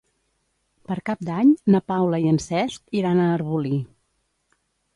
Per Cap d'Any na Paula i en Cesc iran a Arbolí.